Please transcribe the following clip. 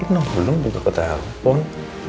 nih belum buka ke telpon